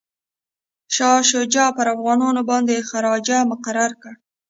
شاه شجاع پر افغانانو باندي خراج مقرر کړ.